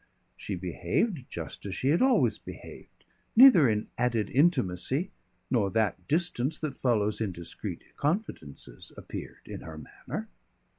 She behaved just as she had always behaved; neither an added intimacy nor that distance that follows indiscreet confidences appeared in her manner.